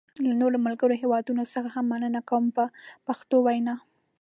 له نورو ملګرو هېوادونو څخه هم مننه کوم په پښتو وینا.